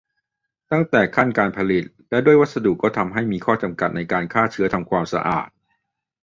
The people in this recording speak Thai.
ตั้งแต่ขั้นการผลิต และด้วยวัสดุก็ทำให้มีข้อจำกัดในการฆ่าเชื้อทำความสะอาด